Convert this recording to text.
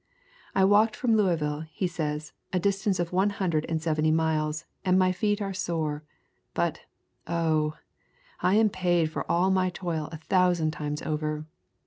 "I walked from Louisville," he says, "'a distance of one hundred and seventy miles, and my feet are sore. But, oh! I am paid for all my toil a thousand times over.